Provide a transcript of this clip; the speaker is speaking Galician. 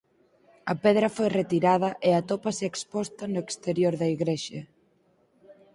A pedra foi retirada e atópase exposta no exterior da igrexa.